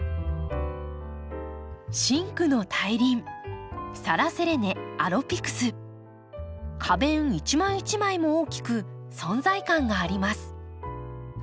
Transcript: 真紅の大輪花弁一枚一枚も大きく存在感があります。